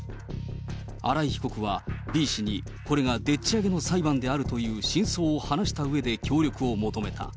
新井被告は、Ｂ氏にこれがでっちあげの裁判であるという真相を話したうえで協力を求めた。